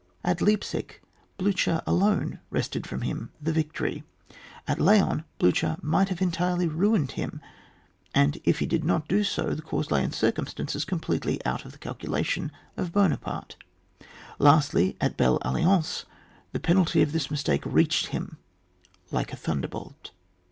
At Leipsic Blucher alone wrested from him the victory ; at Laon Blucher might have entirely ruined him, and if he did not do so the cause lay in circumstances com pletely out of the calculation of Buona parte; lastly, at Belle Alliance, the penalty of this mistake reached him like a thunderbolt.